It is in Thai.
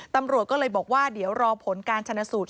ตำรวจก็เลยบอกว่าเดี๋ยวรอผลการชนะสูตร